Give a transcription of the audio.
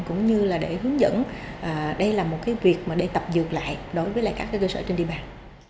cũng như là để hướng dẫn đây là một cái việc mà để tập dược lại đối với các cơ sở trên địa bàn